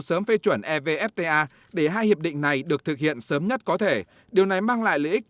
sớm phê chuẩn evfta để hai hiệp định này được thực hiện sớm nhất có thể điều này mang lại lợi ích